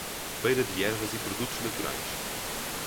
Feira de Ervas e Produtos Naturais.